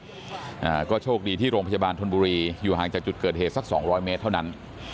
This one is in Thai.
อ่าก็โชคดีที่โรงพยาบาลธนบุรีอยู่ห่างจากจุดเกิดเหตุสักสองร้อยเมตรเท่านั้น